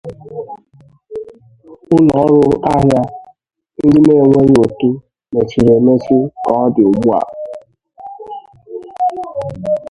Ụlọ ọrụ ahịa ndi na-enweghị ụtụ mechịrị emechi ka ọdi ụgbụa.